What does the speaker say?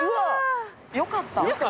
「よかった」？